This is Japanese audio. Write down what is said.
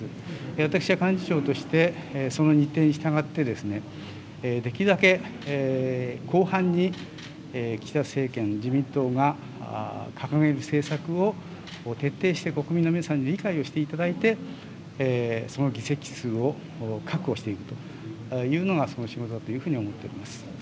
私は幹事長として、その日程に従って、できるだけ広範に岸田政権、自民党が、掲げる政策を徹底して国民の皆さんに理解をしていただいて、その議席数を確保していくというのが、私の仕事だというふうに思っております。